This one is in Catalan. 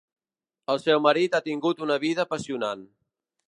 El seu marit ha tingut una vida apassionant.